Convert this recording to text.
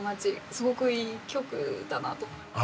すごくいい曲だなと思いました。